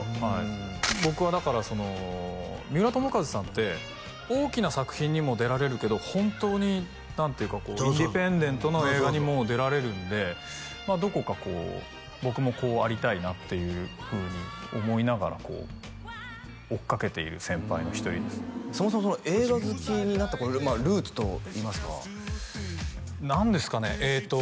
僕はだから三浦友和さんって大きな作品にも出られるけど本当に何ていうかインディペンデントの映画にも出られるんでどこかこう僕もこうありたいなっていうふうに思いながらこう追っかけている先輩の一人ですそもそも映画好きになったルーツといいますか何ですかねえっと